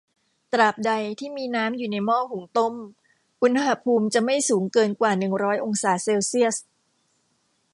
ตราบใดที่มีน้ำอยู่ในหม้อหุงต้มอุณหภูมิจะไม่สูงเกินกว่าหนึ่งร้อยองศาเซลเซียส